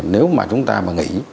nếu mà chúng ta mà nghỉ